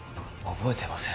覚えてません。